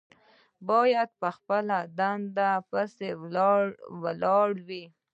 باید په خپله دنده پسې ولاړ وي.